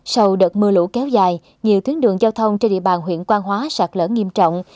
sau đợt mưa lũ kéo dài nhiều tuyến đường giao thông trên địa bàn huyện quan hóa sạt lở nghiêm trọng